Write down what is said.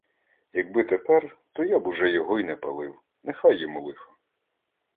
Якби тепер, то я б уже його й не палив — нехай йому лихо!